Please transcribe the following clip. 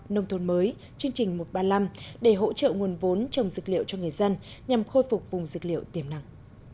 nông thôn mới chương trình một trăm ba mươi năm để hỗ trợ nguồn vốn trồng dược liệu cho người dân nhằm khôi phục vùng dược liệu tiềm năng